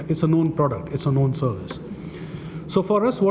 ini adalah produk yang dikenal ini adalah perusahaan yang dikenal